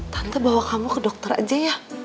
tante bawa kamu ke dokter aja ya